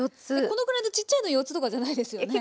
このくらいのちっちゃいの４つとかじゃないですよね？